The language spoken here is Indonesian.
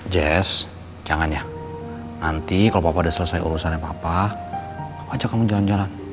jess jangan ya nanti kalo papa udah selesai urusannya papa papa ajak kamu jalan jalan